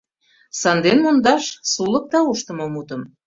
Санден мондаш сулык тауштыме мутым.